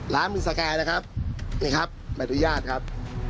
ร้านมริสกายนะครับนี่ครับแบบด้วยญาติครับ